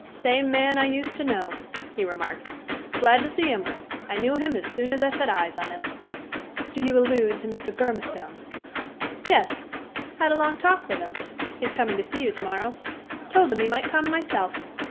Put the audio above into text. "Same man I used to know," he remarked. "Glad to see him. I knew him as soon as I set eyes on him." "Do you allude to Mr. Burmistone?" "Yes. Had a long talk with him. He's coming to see you to morrow. Told him he might come, myself.